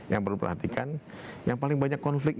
yang perlu diperhatikan yang paling banyak konflik